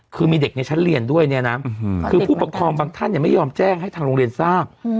คือมีเด็กในชั้นเรียนด้วยเนี่ยนะคือผู้ปกครองบางท่านไม่ยอมแจ้งให้ทางโรงเรียนทราบ